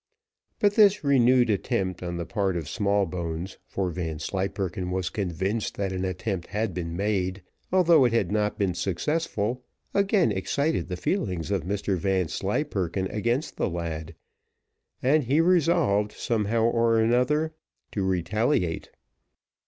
But this renewed attempt on the part of Smallbones, for Vanslyperken was convinced that an attempt had been made, although it had not been successful, again excited the feelings of Mr Vanslyperken against the lad, and he resolved somehow or another to retaliate.